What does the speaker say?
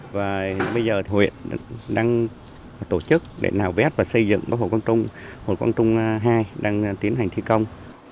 và bây giờ huyện đang tổ chức để nào vét và xây dựng hồ quang trung hồ quang trung hai đang tiến hành thi công